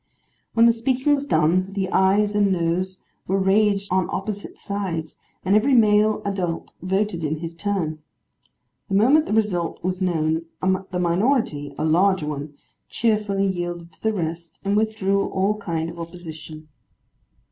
When the speaking was done, the ayes and noes were ranged on opposite sides, and every male adult voted in his turn. The moment the result was known, the minority (a large one) cheerfully yielded to the rest, and withdrew all kind of opposition.